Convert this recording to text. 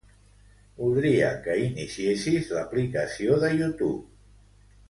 Voldria que iniciessis l'aplicació de YouTube.